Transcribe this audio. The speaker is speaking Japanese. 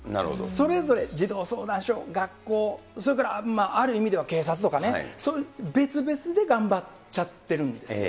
それぞれ、児童相談所、学校、それからある意味では警察とかね、別々で頑張っちゃってるんですよ。